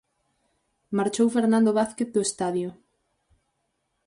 Marchou Fernando Vázquez do estadio.